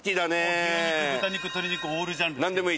もう牛肉豚肉鶏肉オールジャンル好きです。